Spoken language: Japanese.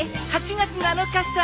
８月７日さ。